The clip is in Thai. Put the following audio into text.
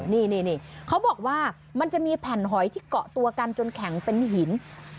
นี่เขาบอกว่ามันจะมีแผ่นหอยที่เกาะตัวกันจนแข็งเป็นหิน